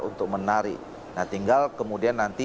untuk menarik nah tinggal kemudian nanti